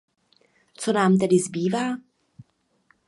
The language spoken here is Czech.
Co nám tedy zbývá?